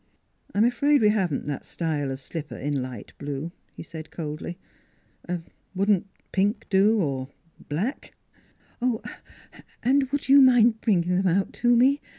" I'm afraid we haven't that style of slipper in light blue," he said coldly. " Wouldn't cr pink do? or black? "" And would you mind bringing them out to me?"